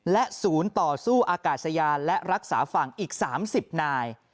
และศูนย์ต่อสู้อากาศยานและรักษาฝั่งอีก๓๐นาย